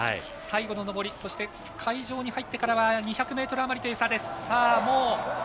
最後の上り会場に入ってからは２００ｍあまりという差です。